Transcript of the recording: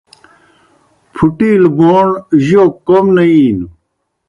پُھٹِیلوْ بوݨ جوک کوْم نہ اِینوْ۔